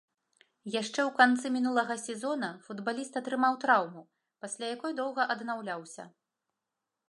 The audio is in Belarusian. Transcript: Яшчэ ў канцы мінулага сезона футбаліст атрымаў траўму, пасля якой доўга аднаўляўся.